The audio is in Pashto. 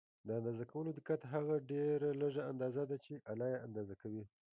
د اندازه کولو دقت هغه ډېره لږه اندازه ده چې آله یې اندازه کوي.